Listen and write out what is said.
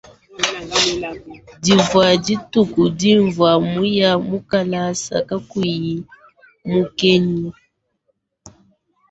Divwa dituku dinvwa muya mukalasa kakuyi mukenyi.